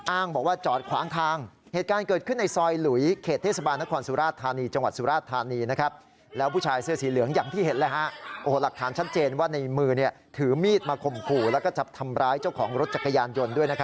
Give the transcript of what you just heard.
อ้างบอกว่าจอดขวางทางเหตุการณ์เกิดขึ้นในซอยหลุย